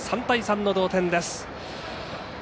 ３対３の同点です。